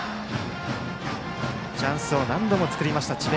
チャンスを何度も作りました智弁